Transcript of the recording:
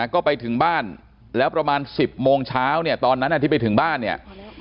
ก็ไปถึงบ้านแล้วประมาณ๑๐โมงเช้าเนี่ยตอนนั้นที่ไปถึงบ้านเนี่ย